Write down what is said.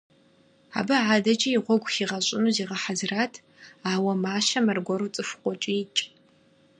Абы адэкӀи и гъуэгу хигъэщӀыну зигъэхьэзырат, ауэ мащэм аргуэру цӀыху къокӀиикӀ: